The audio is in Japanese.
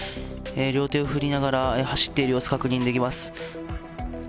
両手を振りながら走っている様子、確認できます。